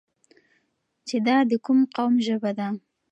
چې دا د کوم قوم ژبه ده؟